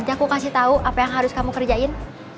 nanti aku kasih tau apa yang harus kamu kerjain